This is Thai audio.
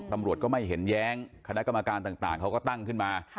ตำรวจก็ไม่เห็นแย้งคณะกรรมการต่างเขาก็ตั้งขึ้นมา